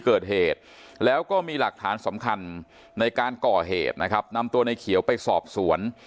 เกิดเหตุแล้วก็มีหลักฐานสำคัญในการก่อเหตุนะครับนำตัวในเขียวไปสอบสวน